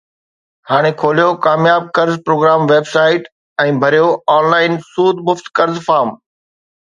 ھاڻي کوليو ڪامياب قرض پروگرام ويب سائيٽ ۽ ڀريو آن لائن سود مفت قرض فارم